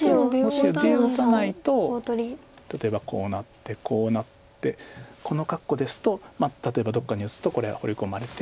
もし出を打たないと例えばこうなってこうなってこの格好ですと例えばどっかに打つとこれはホウリ込まれて。